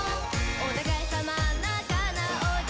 「お互い様仲直り」